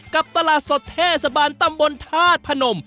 กับตลาดสดเทศบาลตำบลธาตุพนม